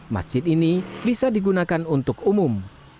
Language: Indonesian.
masjid ini bisa digunakan untuk umum